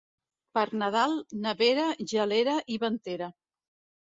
Per Nadal, nevera, gelera i ventera.